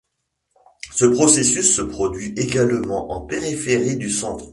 Ce processus se produit également en périphérie du centre.